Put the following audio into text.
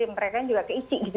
mereka juga keisi gitu